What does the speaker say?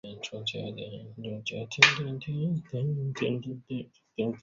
普卢吉恩。